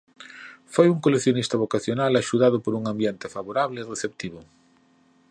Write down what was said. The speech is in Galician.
Foi un coleccionista vocacional axudado por un ambiente favorable e receptivo.